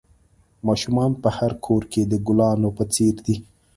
ماشومان په هر کور کې د گلانو په څېر دي.